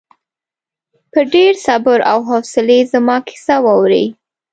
په ډېر صبر او حوصلې زما کیسه واورې.